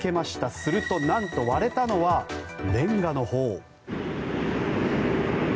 すると、なんと割れたのはレンガのほう。